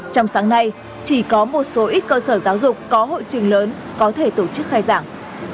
trong sáng nay chỉ có một số ít cơ sở giáo dục có hội trường lớn có thể tổ chức khai giảng